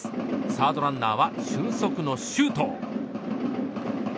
サードランナーは俊足の周東。